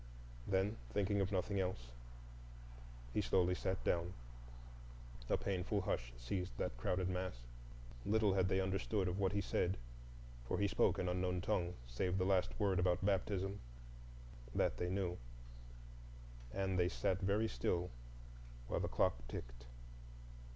Then, thinking of nothing else, he slowly sat down. A painful hush seized that crowded mass. Little had they understood of what he said, for he spoke an unknown tongue, save the last word about baptism; that they knew, and they sat very still while the clock ticked.